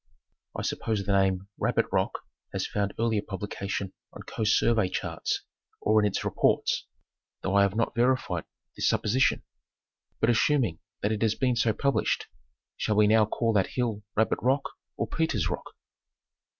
I suppose the name Rabbit Rock has found earlier publication on Coast Survey charts or in its reports, 'though I have not verified this supposition. But assuming that it has been so published, shall we now call that hill Rabbit Rock or Peter's Rock